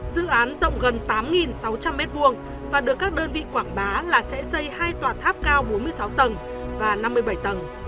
dự án rộng gần tám sáu trăm linh m hai và được các đơn vị quảng bá là sẽ xây hai tòa tháp cao bốn mươi sáu tầng và năm mươi bảy tầng